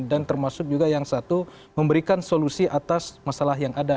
dan termasuk juga yang satu memberikan solusi atas masalah yang ada